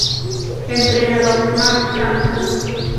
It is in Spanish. Entrenador: Mark Sampson